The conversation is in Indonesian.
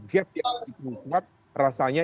gap yang diperluat rasanya